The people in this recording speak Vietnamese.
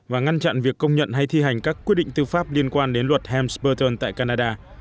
và ngăn chặn việc công nhận hay thi hành các quyết định tư pháp liên quan đến luật hams burton tại canada